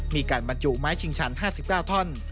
มีการบรรจุไม้ชิงชัน๕๙ท่อน